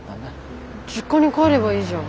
実家に帰ればいいじゃん。